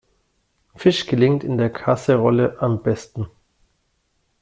Fisch gelingt in der Kaserolle am besten.